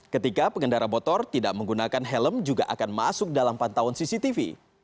ketika pengendara motor tidak menggunakan helm juga akan masuk dalam pantauan cctv